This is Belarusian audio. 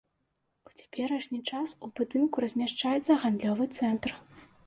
У цяперашні час у будынку размяшчаецца гандлёвы цэнтр.